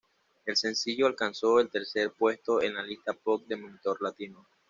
El sencillo alcanzó el tercer puesto en la lista pop de "Monitor Latino".